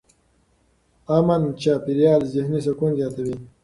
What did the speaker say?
امن چاپېریال ذهني سکون زیاتوي.